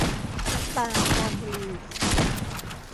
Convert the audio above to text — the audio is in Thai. น้ำตาลครบุรี